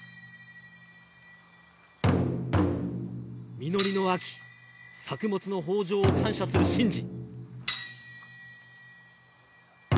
実りの秋、作物の豊穣を感謝する神事。